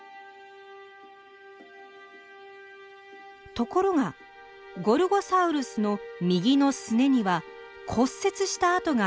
ところがゴルゴサウルスの右のすねには骨折したあとがあります。